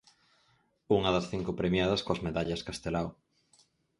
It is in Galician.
Unha das cinco premiadas coas Medallas Castelao.